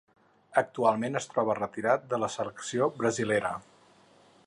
Actualment es troba retirat de la selecció brasilera.